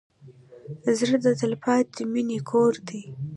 زړه د تلپاتې مینې کور دی.